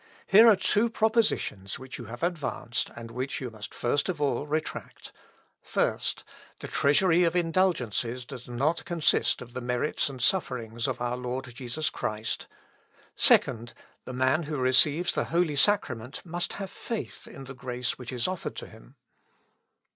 Here are two propositions which you have advanced, and which you must first of all retract: First, The treasury of indulgences does not consist of the merits and sufferings of our Lord Jesus Christ: Second, The man who receives the Holy Sacrament must have faith in the grace which is offered to him."